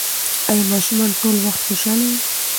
ایا ماشومان ټول وخت خوشحاله وي؟